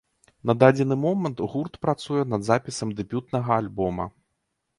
На дадзены момант гурт працуе над запісам дэбютнага альбома.